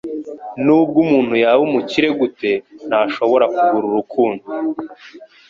Nubwo umuntu yaba umukire gute, ntashobora kugura urukundo.